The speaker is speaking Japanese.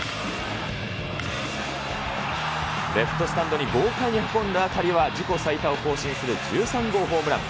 レフトスタンドに豪快に運んだ当たりは、自己最多を更新する１３号ホームラン。